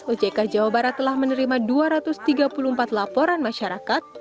ojk jawa barat telah menerima dua ratus tiga puluh empat laporan masyarakat